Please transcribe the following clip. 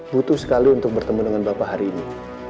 butuh sekali untuk bertemu dengan bapak hari ini